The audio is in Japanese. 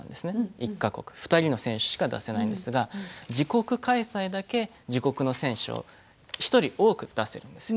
１か国２人の選手しか出せないんですが自国開催だけ自国の選手を１人多く出せるんです。